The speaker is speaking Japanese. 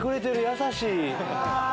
優しい！